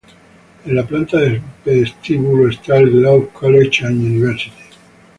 En la planta del vestíbulo está el Globe College and University.